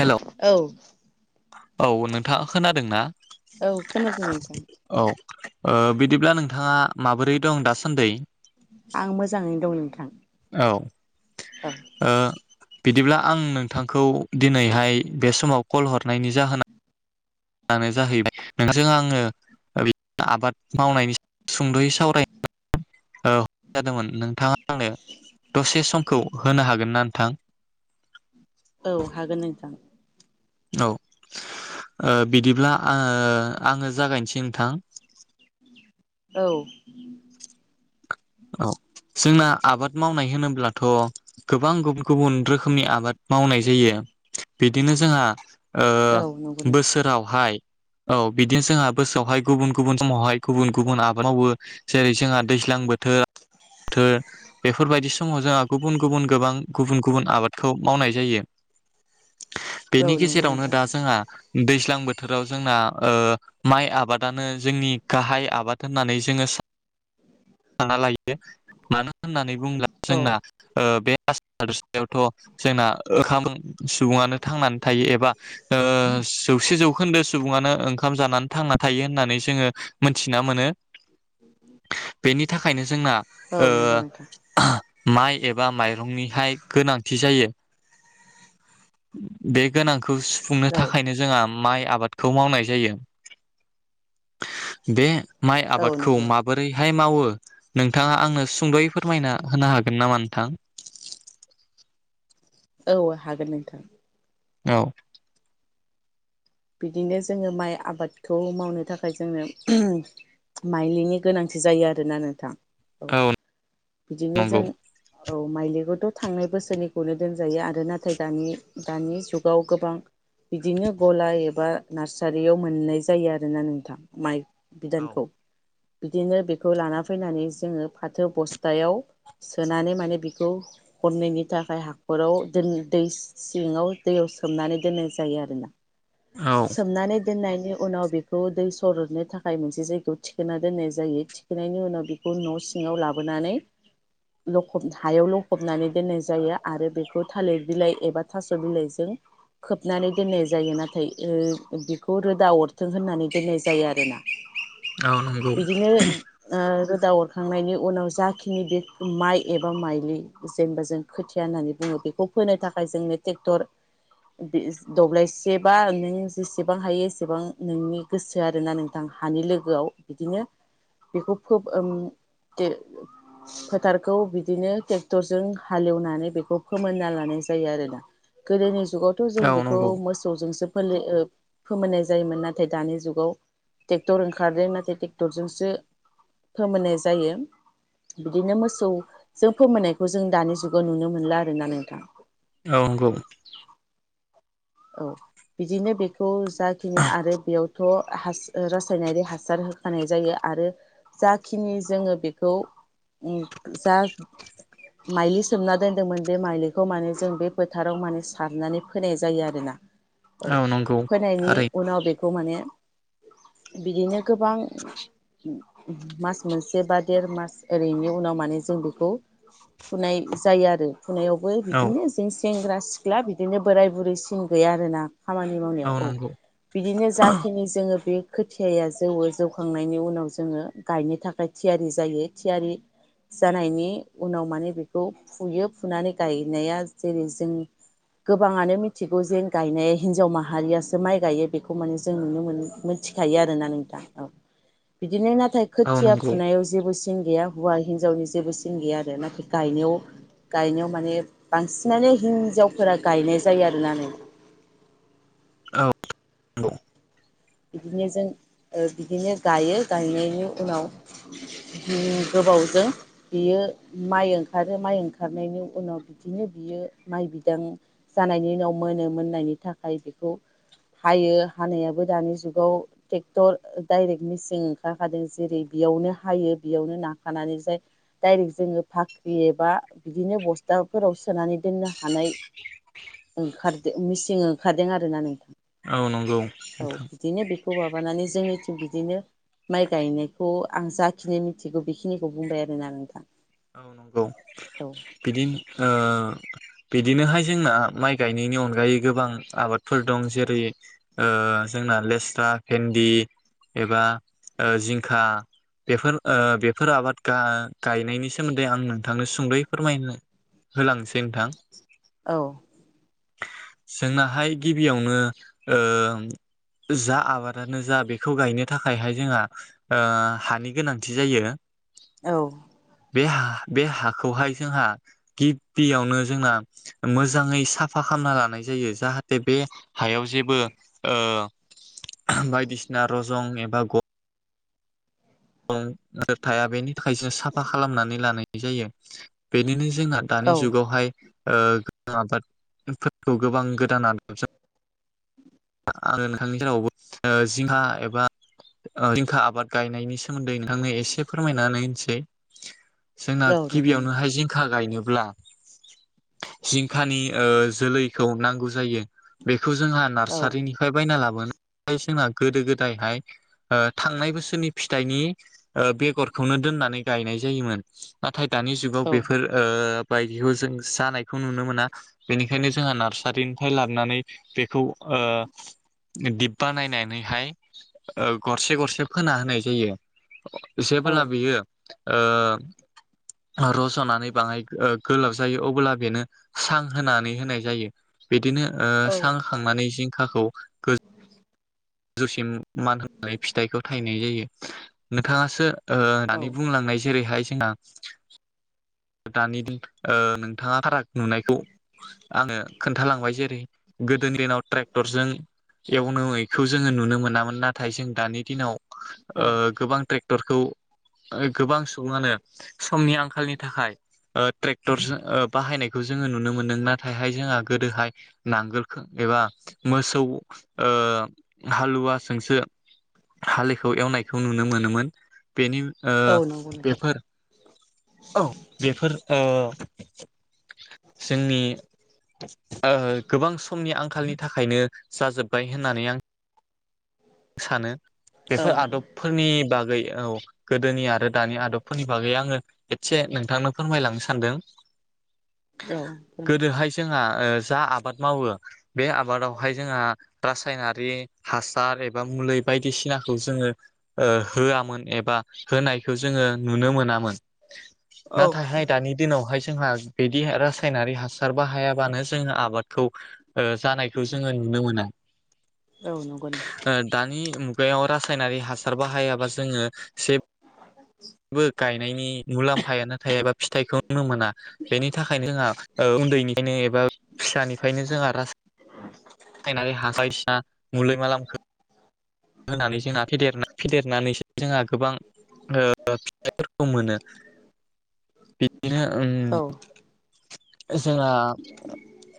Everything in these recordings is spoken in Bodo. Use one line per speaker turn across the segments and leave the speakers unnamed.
हेलौ
औ
औ नोंथाङा खोनादों ना
औ खोनादों नोंथां
औ ओ बिदिब्ला नोंथाङा माबोरै दं दासान्दै
आं मोजाङैनो दं नोंथां
औ
औ
ओ बिदिब्ला आं नोंथांखौ दिनैहाय बे समाव कल हरनायनि जाहोना नानो जाहैबाय नोंजों आङो ओ बि आबाद मावनायनि सुंद'यै स सावराय [inaudible] नोंथाङा आंनो दसे समखौ होनो हागोन ना नोंथां
औ हागोन नोंथां
औ ओ बिदिब्ला आ आङो जागायनिसै नोंथां
औ
औ जोंना आबाद मावनाय होनोब्लाथ' गोबां गुबुन गुबुन रोखोमनि आबाद मावनाय जायो बिदिनो जोंहा ओ
औ नंगौ नोंथां
बोसोरावहाय औ बेदिनो जोंहा बोसोआवहाय गुबुन गुबुन समावहाय गुबुन गुबुन आबाद मावो जेरै जोंहा दैज्लां बो थो थो बेफोरबायदि समाव जोंहा गुबुन गुबुन गोबां गुबुन गुबुन आबादखौ मावनाय जायो
औ
बेनि
नंगौ
गेजेरावनो
नोंथां
दा जोंहा दैज्लां बोथोराव जोंना ओ माइ आबादानो जोंनि गाहाय आबाद होननानै जोङो सा सानना लाय यो मानो होननानै बुंब्ला
औ
जोंना ओ बे [inaudible] यावथ' जोंना ओ ओखाम सुबुङानो थांनानै थायो एबा ओ जौसे जौखोन्दो सुबुङानो ओंखाम जानानै थांनानै थायो होननानै जोङो मोनथिना मोनो
[inaudible]
बेनि थाखायनो जोंना
औ
ओ
नंगौ नोंथां
[unintelligible] माइ एबा माइरंनिहाय गोनांथि जायो बे गोनां खौ सुफुंनो
औ
थाखायनो जोंहा माइ आबादखौ मावनाय जायो बे माइ
औ
आबादखौ
नंगौ
माबोरै हाय मावो नोंथाङा आंनो सुंद'यै फोरमायना होनो हागोन नामा नोंथां
औ हागोन नोंथां
औ
बिदिनो जोङो माइ आबादखौ मावनो थाखाय जोंनो [unintelligible] माइलिनि गोनांथि जायो आरोना नोंथां औ बिदिनो
नंगौ
जों औ माइलिखौथ' थांनाय बोसोरनिखौनो दोनजायो आरो नाथाय दानि दानि जुगाव गोबां बिदिनो गला ए बा नारसारियाव मोननाय जायो आरोना नोंथां माइ
औ
बिदानखौ बिदिनो बेखौ लाना फैनानै जोङो फाथो बस्थायाव सोनानै माने बिखौ हरनैनि थाखाय हाखराव दोन दै सिङाव दैयाव सोमनानै दोननाय जायो आरोना
औ
सोमनानै दोननायनि उनाव बिखौ दै सरदनो थाखाय मोनसे जायगायाव थिखोना दोननाय जायो थिखोनायनि उनाव बिखौ न' सिङाव लाबोनानै लखब हायाव लखबनानै दोननाय जायो आरो बेखौ थालिर बिलाइ एबा थास' बिलाइजों खोबनानै दोननाय जायो ना थाय ओ बिखौ रोदा अरथों होननानै दोननाय जायो आरोना
नंगौ
बिदिनो ओ दा अरखांनायनि उनाव जाखिनि बे माइ एबा माइलि जेनेबा जों खोथिया होननानै बुङो बेखौ फोनो थाखाय जोंनो टेक्टर दि दब्लायसे बा नों जेसेबां हायो एसेबां नोंनि गोसो आरोना नोंथां हानि लोगोआव बिदिनो बिखौ फोब उम ते फोथारखौ बिदिनो टेक्टरजों हालेवनानै बेखौ फोमोनना लानाय जायो आरोना गोदोनि जुगावथ' जों
औ
बिखौ
नंगौ
मोस सौजोसो ओ फोमोननाय जायोमोन नाथाय दानि जुगाव टेक्टर ओंखारदों नाथाय टेक्टरजोंसो फोमोननाय जायो बिदिनो मोसौजों फोमोननायखौ जों दानि जुगाव नुनो मोनला आरोना नोंथां।
औ नंगौ
औ बिदिनो बेखौ जाखिनि आरो बेयावथ' हास ओ रासायनारि हासार होखानाय जायो आरो जाखिनि जोङो बेखौ उम जा माइलि सोमना दोनदोंमोन बे माइलिखौ माने जों बे फोथाराव माने सारनानै फोनाय जायो आरो। [inaudible] औ
औ नंगौ
फैनायनि
थारै
उनाव बेखौ माने बिदिनो गोबां मास मोनसे बा देर मास ओरैनि उनाव माने जों बेखौ फुनाय जायो आरो फुनायावबो
औ
बिदिनो जिस सेंग्रा सिख्ला बिदिनो बोराय बुरै सिं गैया आरो ना खामानि मावनायाव औ बिदिनो जाखिनि जोङो बे खोथियाया जौवो जौखांनायनि उनाव जोङो गायनो थाखाय थियारि जायो थियारि जानायनि उनाव माने बेखौ फुयो फुनानै गायनाया जेरै जों गोबाङानो मिथि गौ जे गायनाय हिनजाव माहारियासो माइ गायो बेखौ मान जों नुनो मोन मोनथिखायो आरोना नोंथां औ बिदिनो नी थाय
औ
खोथिया
नंगौ
फुनायाव जेबो सिन गैया हौवा हिनजावनि जेबो सिन गैया आरो नाखि गायनायाव गायनायाव माने बांसिनानो हिन्जावफोरा गायनाय जायो आरोना।
औ नंगौ।
बिदिनो जों बिदिनो गायो गायनायनि उनाव गोबावजों बियो माइ ओंखारो माइ ओंखारनायनि उनाव बिदिनो बियो माइ बिदां जानायनि उनाव मोनो मोननायनि थाखाय बेखौ हायो हानायाबो दानि जुगाव ट्रेक्टर दडाइरेक्ट मेचिन ओंखारखादों जेरै बेयावनो हायो बेयावनो नाखानानै जाय दायरेक्ट जोङो भाख्रि एबा बिदिनो बस्थाफोराव सोनानै दोननो हानाय ओंखारदों मिचन ओंखारदों आरोना नोंथां।
औ नंगौ
औ
नोंथां।
बिदिनो बेखौ माबानानै जोङो बिदिनो माइ गायनायखौ आं जाखिनि मिथिगौ बेखिनिखौ बुंबाय आरोना नोंथां।
औ नंगौ बिदिन ओ बिदिनोहाय जोंना माइ गायनायनि अनगायै गोबां आबादफोर दं जेरै ओ जोंना लेस्रा भेन्दि एबा जिंखा बेफोर ओ बेफोर आबाद गा गायनायनि सा मोन्दै आं नोंथांनो सुंद'यै फोरमायनो होलांसै नोंथां।
औ।
जोंनाहाय गिबियावनो ओम जा आबादानो जा बेखौ गायनो थाखायहाय जोंहा हानि गोनांथि जायो।
औ।
बे हा बे हाखौहाय जोंहा गिबियावनो जोंना मोजाङै साफा खालामना लानाय जायो जाहाथे बे हायाव जेबो ओ बायदिसिना रजं एबा ग दंफोर थाया बेनि थाखाय जों साफा खालामनानै लानाय जायो बेनिनो जोंना दानि
औ
जुगावहाय ओ गो आबादफोरखौ गोबां गोदान आदबजों आङो नोंथांनि जावबो जिंखा एबा जिंखा आबाद गायनायनि सा सोमोन्दै नोंथांनो एसे फोरमायनानै [unintelligible] जोंना
औ नंगौ नोंथां
गिबियावनोहाय जिंखा गायनो ब्ला जिंखानि ओ जोलैखौ नांगौ जायो बेफ बेखौ जोंहा
औ
नार्सारिनिफ्राय बायना लाब मानो जोंना गोदो गोदायहाय ओ थांनाय बोसोरनि फि थाइनि ओ बेगरखौनो दोननानै गायनाय जायोमोन। नाथाय दानि जुगाव
औ
बेफोर ओ बायदिखौ जों जानायखौ नुनो मोना बेनिखायनो जोंहा नार्सारिनिफ्राय लानानै बे खौ ओ दिब बानायनानैहाय ओ गरसे गरसे फोना होनाय जायो।
औ
जेब्ला बियो ओ रज'नानै बाङाय ओ गोलाव‌ जायो अब्ला बेनो सां होनानै होनाय जायो। बिदिनो ओ
औ
सां खांनानै जिं खाखौ गोज जौसिम मान होनानै फिथाइखौ थायनाय जायो नोंथांङासो ओ
औ
दानि बुंलांनाय जेरैहाय दानि दि ओ नोंथांङा फाराग नुनायखौ आंङो खोन्थालांबाय जेरै गोदोनि दिनाव ट्रेक्टरजों एवनो खौ जोंङो नुनो मोनामोन नाथाय जों दानि दिनाव ओ गोबां ट्रेक टरखौ ओ गोबां सुबुंङानो समनि आंखालनि थाखाय ओ ट्रेक्टर जो ओ बाहायनायखौ जोंङो नुनो मोनदों नाथायहाय जोंहा गोदोहाय नांगोलखो एबा मोसौ ओ हालुवा सोंसो‌ हालिखौ एवनायखौ नुनो मोनोमोन। बेनि ओ
औ नंगौ नोंथां
बेफोर औ बेफोर ओ [inaudible] जोंनि ओ‌ गोबां समनि आंखालनि थाखायनो जाजोबबाय होननानै आं सानो
औ
बेफोर आदब फोरनि बाग बै औ गोदोनि आरो दानि आदब फोरनि बागै आङो एसे नोंथांनो फोरमायलांनो सानदों।
औ
गोदोहाय जोंहा
[unintelligible]
ओ जा आबाद मावो बे आबादावहाय जोंहा रासायनारि हासार एब बा मुलै बायदिसिनाखौ जोङो ओ होआमोन एबा होनायखौ जोङो नुनो मोनामोन। नाथायहाय दानि दिनावहाय जोंहा बिदि रासायनारि हासारबो बाहायाबानो जोङो आबादखौ जानायखौ जोङो नुनो मोना।
औ नंगौ नोंथां।
दानि मुगायाव रासायनारि हासार बाहायाबा जोंङो जे बोगाय नायनि मुलाम्फाया नाथाय एबा फिथाइखौनो मोना बेनि थाखायनो जोंहा ओ उन्दैनिफ्रायनो एबा फिसानिफ्रायनो जोंहा रासायनारि [unintelligible] मुलै मालामखो होनानै जोंहा फेदेरना फेदेरनानैसो जोंहा गोबां ओ फिथाइफोरखौ मोनो बिदिनो
औ
उम जोंहा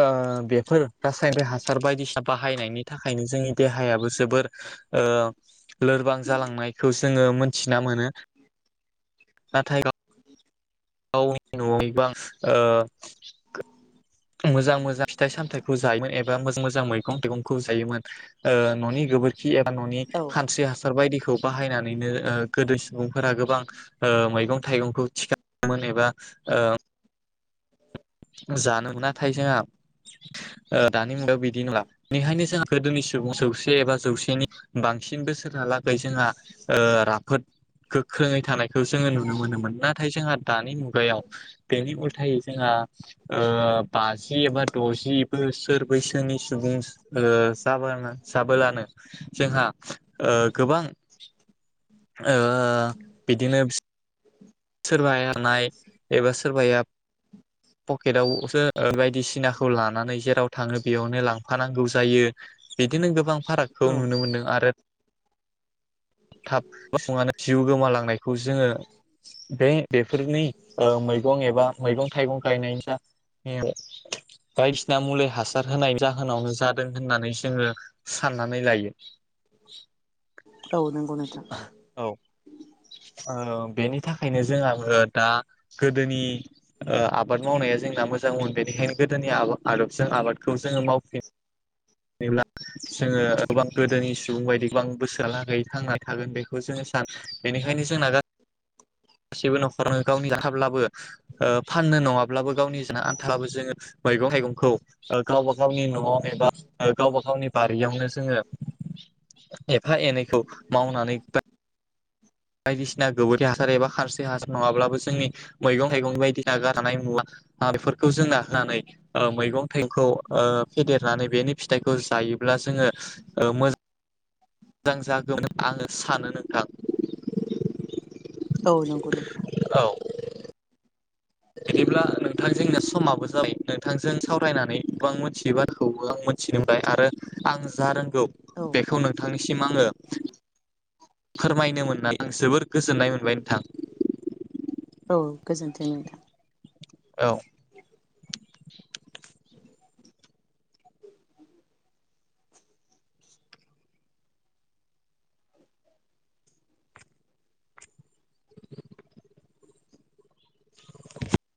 ओ बेफोर रासायनारि हासार बायदिसिना बा बाहायनायनि थाखायनो जोंनि देहायाबो जोबोर ओ लोरबां जालांनायखौस जोङो मोनथिना मोनो नाथाय गावनि न'आव एबा ओ मोजां मोजां फिथाइ सामथाइखौ जायोमोन एब एबा मोजां मोजां मैगं थाइगंखौ जायोमोन ओ न'नि गोबोरखि एबा न'
औ
खानस्रि हासा फोरबायदिखौ बाहायनानैनो ओ गोदोस सुबुंफोरा गोबां ओ मैगं थाइगंखौ थिखाङोमोन एबा ओ जानो नाथाय जोंहा ओ दानि मुगायाव बिदि नङा बेखायनो जों गोदोनि सुबुं जौसे एबा जौसेनि बांसिन बोसोरहालागै जोंहा ओ राफोद गोख्रोङै थानायखौ जोङो नुनो मोनोमोन नाथाय जोंहा दानि मुग गायाव बेनि उलथ थायो जोंहा ओब बाजि एबा दजि बोसोर बैसोनि सुबुं ओ जाबानो जाबोलानो जोंहा ओ गोबां ओ बिदिनो सोरबायानाय एबा सोरबाया पकेटावसो बायदिसिनाखौ लानानै जेराव थाङो बेयावनो लांफानांगौ जायो। बिदिनो गोबां
औ
फारागखौ नुनो मोनदों आरो थाब फुङानो जिउ गोमालांनायखौ जोङो बे बेफोरनि ओ मैगं एबा मैगं थाइगं गायनाय जा बायदिसिना मुलि हासार होनायनि जाहोनावनो जादों होननानै जोङो साननानै लायो।
औ नोंगौ नोंथां।
औ ओ बेनि ओ थाखायनो जोंहाबो दा गोदोनि आबाद मावनाया जोंना मोजांमोन बेनिखायनो गोदोनि आदबजों आबादखौ जोङो मावफिन नो ब्ला जेब्ला जोङो गोबां गोदोनि सुबुं बायदि गोबां बैसोआलागै थांना थागोन बेखौ जोङो सानो बेनिखायनो जोंना गासै गासिबो न'खरावनो गावनि जाथाब्लाबो ओ फाननो नङाब्लाबो गावनि जाना आन्थाबलाबो जोङो मैगं थाइगंखौ गावबा गावनि न'आवनो एबा गावबा गावनि बारियावनो जोङो एफा एनैखौ मावनानै बायदिसिना गोबोरि हासार एबा खारसे हासार नङाब्लाबो जोंनि मैगं थाइगं बायदिना गारनाय मुवा बेफोरखौ जोंना होनानै ओ मैगं थाइगंखौ ओ फेदेरनानै बेनि फिथाइखौ जायोब्ला जोङो मोजा मोजां जागौमोन आङो सानो नोंथां।
औ नंगौ नोंथां।
औ बिदिब्ला नोंथांजोंनिया समाबो जाबाय नोंथांजों सावरायनानै गोबां मोनथियि बाथ्राखौबो आं मोनथिनो मोनबाय आरो आं जा रोंगौ
औ
बेखौ नोंथांनिसिम आङो फोरमायनो मोननानै आं जोबोर गोजोननाय मोनबाय नोंथां।
औ गोजोन्थों नोंथां।
औ [inaudible] [inaudible]